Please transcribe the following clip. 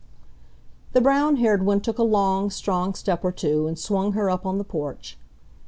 The brown haired one took a long, strong step or two and swung her up on the porch.